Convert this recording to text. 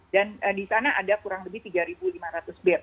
dan di sana ada kurang lebih tiga ribu lima ratus bed